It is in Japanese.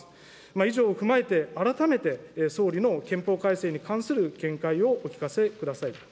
以上を踏まえて、改めて、総理の憲法改正に関する見解をお聞かせください。